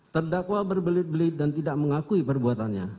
terdakwa berbelit belit dan tidak mengakui perbuatannya